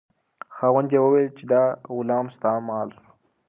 خاوند یې وویل چې دا غلام ستا مال شو.